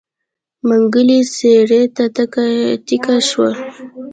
منګلی څېړۍ ته تکيه شو.